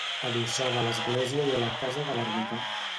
Adossada a l'església hi ha la casa de l'ermità.